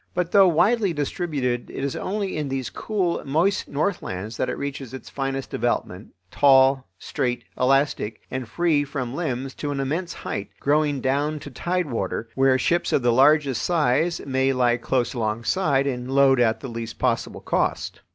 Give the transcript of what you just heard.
But, though widely distributed, it is only in these cool, moist northlands that it reaches its finest development, tall, straight, elastic, and free from limbs to an immense height, growing down to tide water, where ships of the largest size may lie close alongside and load at the least possible cost.